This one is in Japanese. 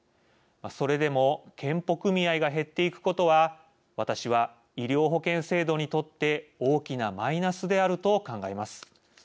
それでも健保組合が減っていくことは私は医療保険制度にとって大きなマイナスであると考えます。